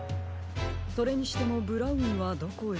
それにしてもブラウンはどこへ？